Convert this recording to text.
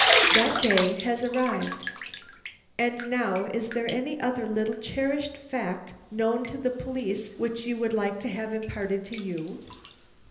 That day has arrived. And now is there any other little cherished fact known to the police which you would like to have imparted to you?"